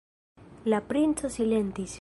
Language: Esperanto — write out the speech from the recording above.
La princo silentis.